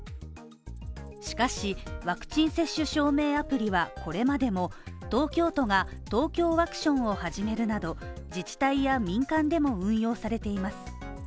しかし、ワクチン接種証明アプリはこれまでも東京都がＴＯＫＹＯワクションを始めるなど、自治体や民間でも運用されています。